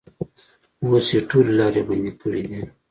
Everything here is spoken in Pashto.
اوس یې ټولې لارې بندې کړې دي.